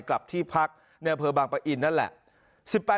กลับที่พักในอำเภอบางปะอินนั่นแหละ